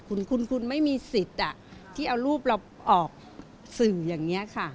คุณคุณไม่มีสิทธิ์ที่เอารูปเราออกสื่ออย่างนี้ค่ะ